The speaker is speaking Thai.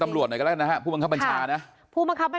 อ่าเนี่ยนะครับ